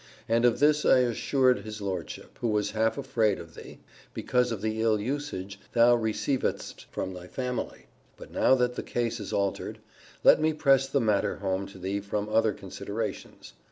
And of this I assured his Lordship; who was half afraid of thee, because of the ill usage thou receivedst from her family. But now, that the case is altered, let me press the matter home to thee from other considerations.